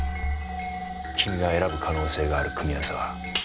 君が選ぶ可能性がある組み合わせは。